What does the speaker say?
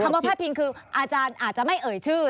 ว่าพาดพิงคืออาจารย์อาจจะไม่เอ่ยชื่อ